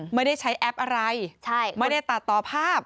ไม่ได้ใช้แอปอะไรไม่ได้ตัดต่อภาพ